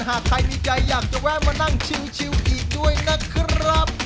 หากใครมีใจอยากจะแวะมานั่งชิวอีกด้วยนะครับ